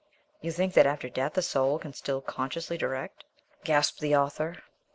"You think that after death a soul can still consciously direct " gasped the author.